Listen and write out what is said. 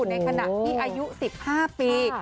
ในขณะที่อายุ๑๕ปี